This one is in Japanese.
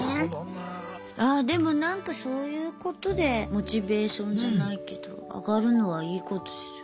ああでもなんかそういうことでモチベーションじゃないけど上がるのはいいことですよね。